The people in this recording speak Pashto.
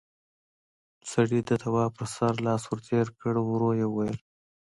سړي د تواب پر سر لاس ور تېر کړ، ورو يې وويل: